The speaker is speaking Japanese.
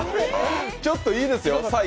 ちょっといいですよ。